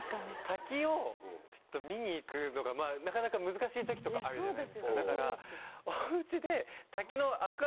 滝をちょっと見に行くのがなかなか難しい時とかあるじゃないですかだから。